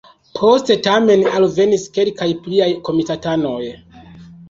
Poste tamen alvenis kelkaj pliaj komitatanoj.